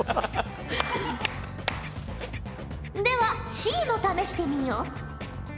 ではＣも試してみよ。